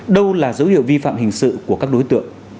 đâu là dấu hiệu vi phạm hình sự của các đối tượng